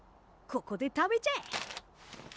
ここで食べちゃえ。